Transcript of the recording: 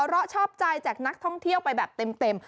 เพราะชอบใจจากนักท่องเที่ยวไปแบบเต็ม